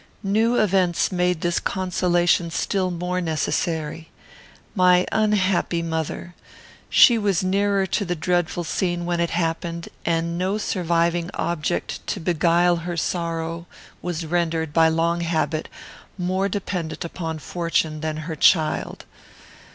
"New events made this consolation still more necessary. My unhappy mother! She was nearer to the dreadful scene when it happened; had no surviving object to beguile her sorrow; was rendered, by long habit, more dependent upon fortune than her child.